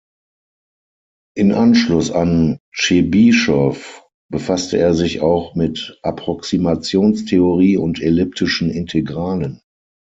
In Anschluss an Tschebyschow befasste er sich auch mit Approximationstheorie und elliptischen Integralen.